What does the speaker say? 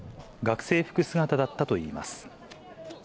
学生服姿だったといいます。